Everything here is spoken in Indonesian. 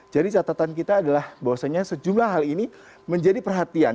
jadi catatan kita adalah bahwasanya sejumlah hal ini menjadi perhatian